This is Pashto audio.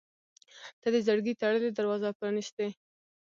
• ته د زړګي تړلې دروازه پرانستې.